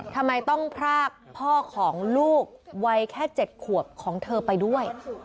ทำไมต้องพรากพ่อของลูกวัยแค่๗ขวบของเธอไปด้วย